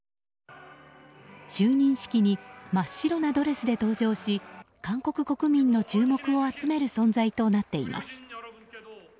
就任式に真っ白なドレスで登場し韓国国民の注目を集める存在となっています。